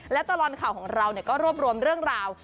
และตลอดข่าวของเราก็รวบรวมเรื่องราว